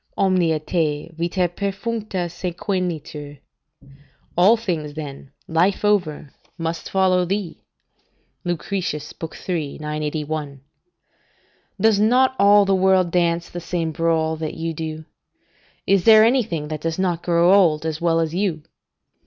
"'Omnia te, vita perfuncta, sequentur.' ["All things, then, life over, must follow thee." Lucretius, iii. 981.] "Does not all the world dance the same brawl that you do? Is there anything that does not grow old, as well as you?